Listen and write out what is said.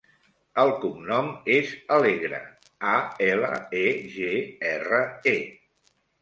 El cognom és Alegre: a, ela, e, ge, erra, e.